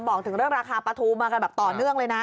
บอกถึงเรื่องราคาปลาทูมากันแบบต่อเนื่องเลยนะ